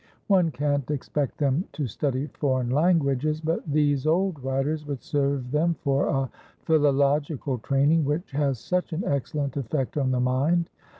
One can't expect them to study foreign languages, but these old writers would serve them for a philological training, which has such an excellent effect on the mind.